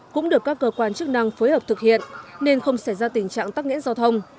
cũng được các cơ quan chức năng phối hợp thực hiện nên không xảy ra tình trạng tắc nghẽn giao thông